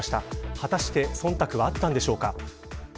果たして忖度はあったんでしょうか。